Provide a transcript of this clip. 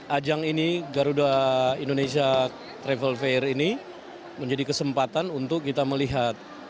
ajang ini garuda indonesia travel fair ini menjadi kesempatan untuk kita melihat